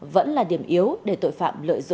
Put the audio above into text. vẫn là điểm nhất